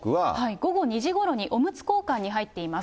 午後２時ごろにおむつ交換に入っています。